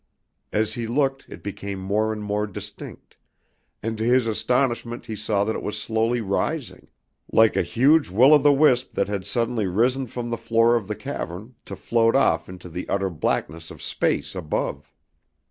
As he looked it became more and more distinct, and to his astonishment he saw that it was slowly rising, like a huge will o' the wisp that had suddenly risen from the floor of the cavern to float off into the utter blackness of space above.